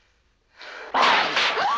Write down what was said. あっ！